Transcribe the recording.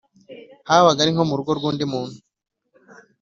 habaga ari nko mu rugo rw’undi muntu